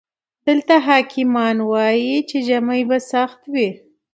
دلته حکيمان وايي چې ژمی به سخت وي.